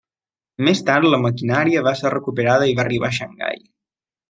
Més tard la maquinària va ser recuperada i va arribar a Xangai.